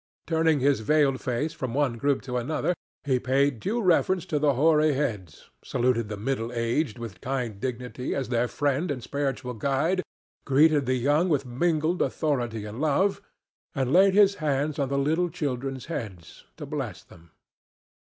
Turning his veiled face from one group to another, he paid due reverence to the hoary heads, saluted the middle aged with kind dignity as their friend and spiritual guide, greeted the young with mingled authority and love, and laid his hands on the little children's heads to bless them.